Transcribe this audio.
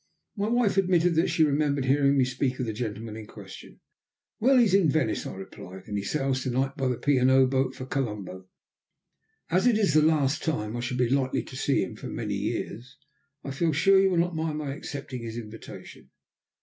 My wife admitted that she remembered hearing me speak of the gentleman in question. "Well, he is in Venice," I replied, "and he sails to night by the P. and O. boat for Colombo. As it is the last time I shall be likely to see him for many years, I feel sure you will not mind my accepting his invitation?"